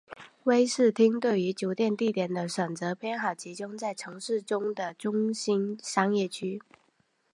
威士汀对于酒店地点的选择偏好集中在城市中的中心商业区。